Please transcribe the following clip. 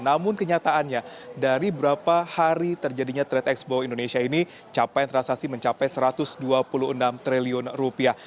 namun kenyataannya dari berapa hari terjadinya trade expo indonesia ini capaian transaksi mencapai satu ratus dua puluh enam triliun rupiah